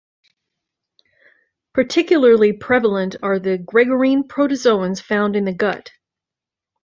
Particularly prevalent are the gregarine protozoans found in the gut.